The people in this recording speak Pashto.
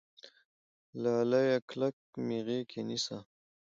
لاليه کلک مې غېږ کې نيسه